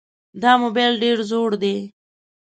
دا موبایل ډېر زوړ دی.